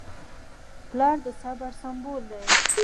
پلار د صبر سمبول دی.